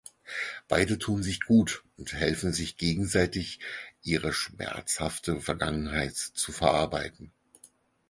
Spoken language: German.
Beide tun sich gut und helfen sich gegenseitig ihre schmerzhafte Vergangenheit zu verarbeiten.